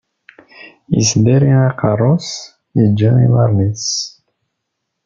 Isdari aqeṛṛu-s, iǧǧa iḍaṛṛen-is.